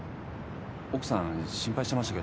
奥さん心配してましたけど。